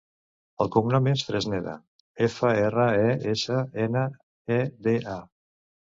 El cognom és Fresneda: efa, erra, e, essa, ena, e, de, a.